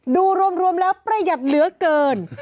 ดูรวมแล้วประหยัดเหลือเกิน